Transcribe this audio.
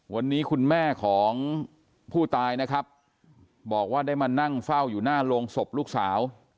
วันนี้คุณแม่ของผู้ตายนะครับบอกว่าได้มานั่งเฝ้าอยู่หน้าโรงศพลูกสาว